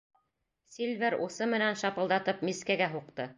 Сильвер усы менән шапылдатып мискәгә һуҡты.